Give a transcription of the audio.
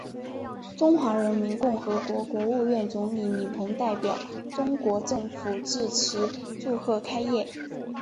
中华人民共和国国务院总理李鹏代表中国政府致词祝贺开业。